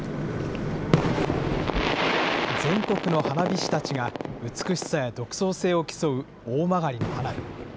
全国の花火師たちが、美しさや独創性を競う大曲の花火。